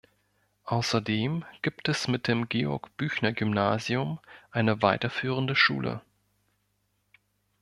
Außerdem gibt es mit dem Georg-Büchner-Gymnasium eine weiterführende Schule.